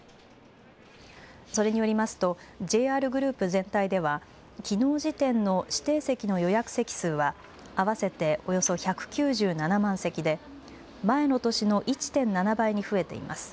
それによりますとＪＲグループ全体ではきのう時点の指定席の予約席数は合わせておよそ１９７万席で前の年の１．７倍に増えています。